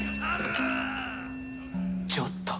ちょっと！